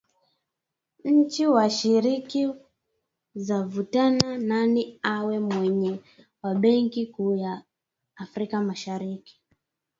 Nchi washiriki zavutana nani awe mwenyeji wa benki kuu ya Afrika Mashariki